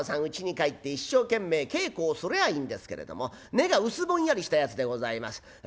うちに帰って一生懸命稽古をすりゃいいんですけれども根が薄ぼんやりしたやつでございます。